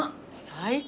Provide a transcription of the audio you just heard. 最高！